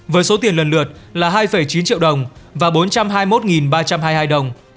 với số tiền lần lượt là hai chín triệu đồng và bốn trăm hai mươi một ba trăm hai mươi hai đồng